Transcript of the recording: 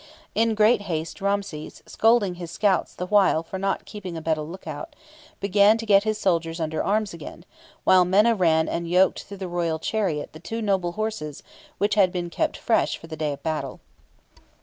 In great haste Ramses, scolding his scouts the while for not keeping a better lookout, began to get his soldiers under arms again, while Menna ran and yoked to the royal chariot the two noble horses which had been kept fresh for the day of battle.